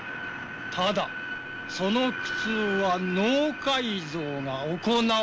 ただその苦痛は脳改造が行われていないためだ。